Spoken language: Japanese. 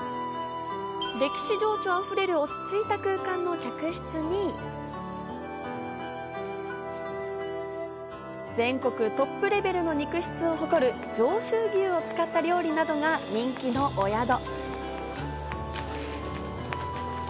歴史情緒あふれる落ち着いた空間の客室に、全国トップレベルの肉質を誇る上州牛を使った料理などが人気のお宿。